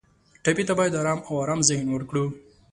ټپي ته باید آرام او ارام ذهن ورکړو.